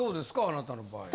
あなたの場合。